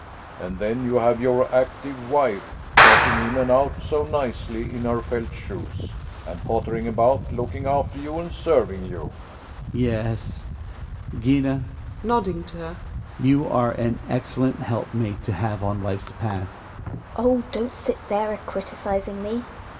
And then you have your active wife, trot ting in and out so nicely, in her felt shoes, and pottering about, looking after you and serving you. Hjalmar. Yes, Gina (nodding to her), you are an excellent helpmate to have on life's path. Gina. Oh I don't sit there a criticising me. Relling.